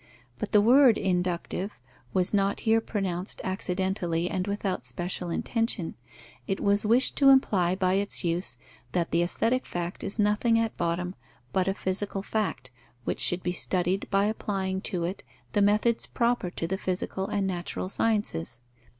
But the word "inductive" was not here pronounced accidentally and without special intention. It was wished to imply by its use that the aesthetic fact is nothing, at bottom, but a physical fact, which should be studied by applying to it the methods proper to the physical and natural sciences.